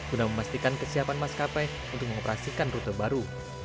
untuk memastikan kesiapan maskapai untuk mengoperasikan rute baru